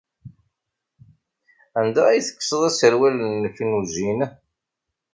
Anda ay tekkseḍ aserwal-nnek n ujin?